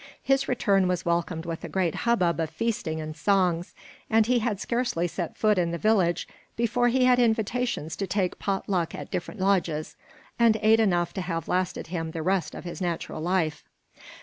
His return was welcomed with a great hubbub of feasting and songs; and he had scarcely set foot in the village before he had invitations to take pot luck at different lodges, and ate enough to have lasted him the rest of his natural life.